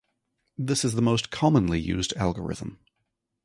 This is the most commonly used algorithm.